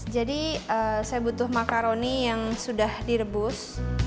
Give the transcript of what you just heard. jadi saya butuh makaroni yang sudah direbus